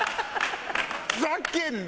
ふざけんな！